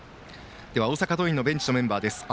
大阪桐蔭のベンチのメンバーです。